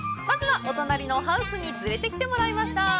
まずは、お隣のハウスに連れてきてもらいました。